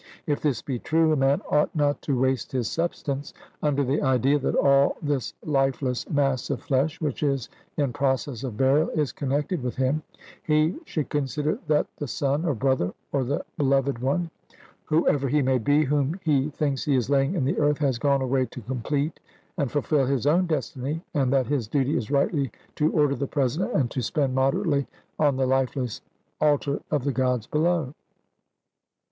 If this be true, a man ought not to waste his substance under the idea that all this lifeless mass of flesh which is in process of burial is connected with him; he should consider that the son, or brother, or the beloved one, whoever he may be, whom he thinks he is laying in the earth, has gone away to complete and fulfil his own destiny, and that his duty is rightly to order the present, and to spend moderately on the lifeless altar of the Gods below.